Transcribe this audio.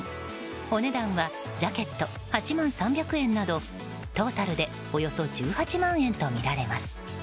お値段はジャケット８万３００円などトータルでおよそ１８万円とみられます。